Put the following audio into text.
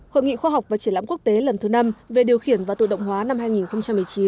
hội nghị khoa học và triển lãm quốc tế lần thứ năm về điều khiển và tự động hóa năm hai nghìn một mươi chín